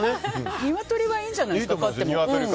ニワトリはいいんじゃないですか。